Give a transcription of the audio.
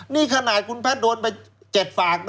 นี่ขนาดคุณแพทย์โดนไป๗ฝากนะ